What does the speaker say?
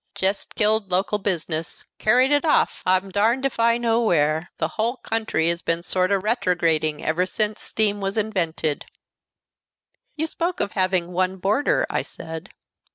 "Jest killed local business. Carried it off, I'm darned if I know where. The whole country has been sort o' retrograding ever sence steam was invented." "You spoke of having one boarder," I said.